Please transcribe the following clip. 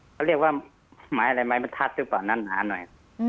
เขาเรียกว่าไม้อะไรไม้บรรทัดหรือเปล่านั้นหาหน่อย